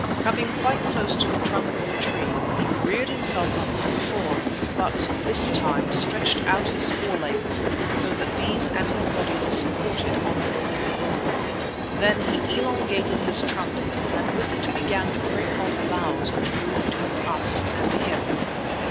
Coming quite close to the trunk of the tree he reared himself up as before, but this time stretched out his forelegs so that these and his body were supported on the broad bole. Then he elongated his trunk and with it began to break off boughs which grew between us and him.